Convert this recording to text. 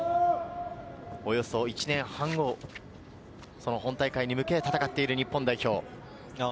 およそ１年半後、本大会に向けて戦っている日本代表。